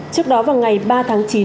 trước đó vào ngày ba tháng chín